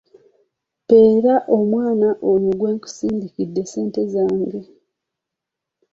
Mpeera omwana oyo gwe nkusindikidde ssente zange.